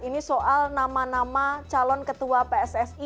ini soal nama nama calon ketua pssi